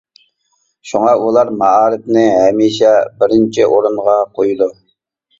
شۇڭا ئۇلار مائارىپنى ھەمىشە بىرىنچى ئورۇنغا قويىدۇ.